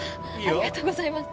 ありがとうございます